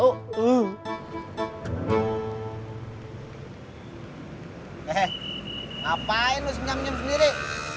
he he ngapain lo nyam nyam sendiri